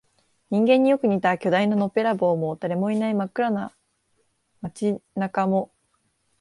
人間によく似た巨大なのっぺらぼうも、誰もいない真っ暗な街中も、